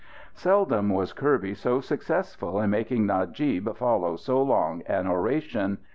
Seldom was Kirby so successful in making Najib follow so long an oration.